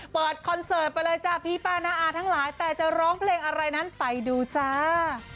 คอนเสิร์ตไปเลยจ้ะพี่ป้าน้าอาทั้งหลายแต่จะร้องเพลงอะไรนั้นไปดูจ้า